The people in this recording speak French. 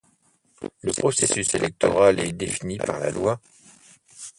Le processus électoral est défini par la loi.